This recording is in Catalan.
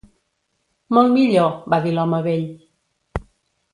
"Molt millor", va dir l'home vell.